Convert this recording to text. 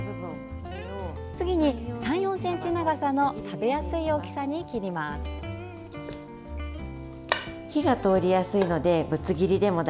次に３４ｃｍ長さの食べやすい大きさに切ります。